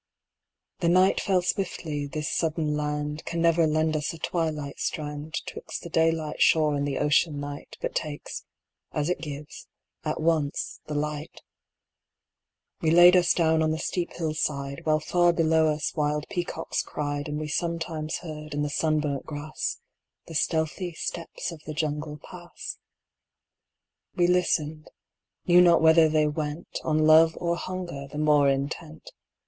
The night fell swiftly; this sudden land Can never lend us a twilight strand 'Twixt the daylight shore and the ocean night, But takes as it gives at once, the light. We laid us down on the steep hillside, While far below us wild peacocks cried, And we sometimes heard, in the sunburnt grass, The stealthy steps of the Jungle pass. We listened; knew not whether they went On love or hunger the more intent.